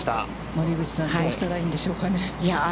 森口さん、どうしたらいいんでしょうかね。